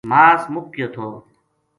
ماس مُک گیو تھو